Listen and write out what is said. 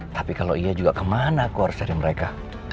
tapi kalau iya juga kemana aku harus cari mereka